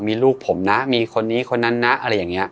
มีลูกผมนะมีคนนี้คนนั้นนะอะไรอย่างนี้